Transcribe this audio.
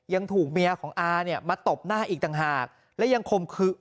วันนี้ทีมข่าวไทยรัฐทีวีไปสอบถามเพิ่ม